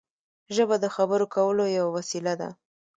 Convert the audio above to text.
ژبه د خبرو کولو یوه وسیله ده.